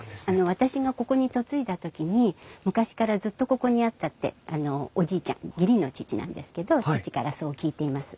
私がここに嫁いだ時に昔からずっとここにあったってあのおじいちゃん義理の父なんですけど義父からそう聞いています。